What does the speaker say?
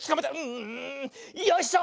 うんよいしょ！